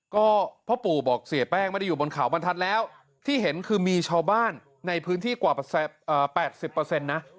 ก็พ่อปู่บอกเสียแป้งไม่ได้อยู่บนเขาบรรทัศน์แล้วที่เห็นคือมีชาวบ้านในพื้นที่กว่า๘๐นะ